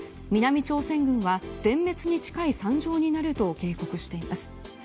南朝鮮軍は全滅に近い惨状になると警告しています。